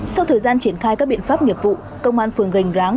sau thời gian triển khai các biện pháp nghiệp vụ công an phường gành ráng